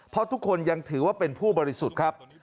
เพราะทุกคนยังถือว่าเป็นผู้บริสุทธิ์ครับ